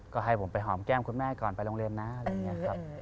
ก็ให้ผมไปหอมแก้มคุณแม่ก่อนไปโรงเรียนนะอะไรอย่างนี้ครับ